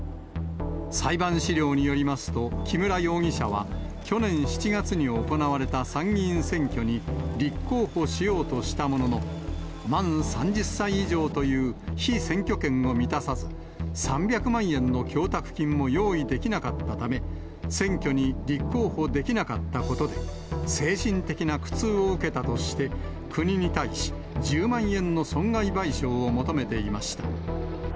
裁判資料によりますと、木村容疑者は、去年７月に行われた参議院選挙に、立候補しようとしたものの、満３０歳以上という被選挙権を満たさず、３００万円の供託金も用意できなかったため、選挙に立候補できなかったことで、精神的な苦痛を受けたとして国に対し、１０万円の損害賠償を求めていました。